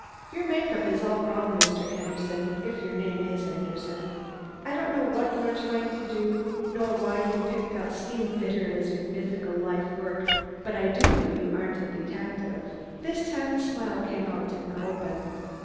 "Your make up is all wrong, Mr. Anderson if your name is Anderson. I don't know what you are trying to do, nor why you picked out steamfitting as your mythical life work, but I do know you aren't a detective." This time the smile came out in the open.